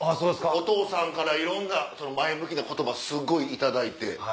お父さんからいろんな前向きな言葉すごい頂いて。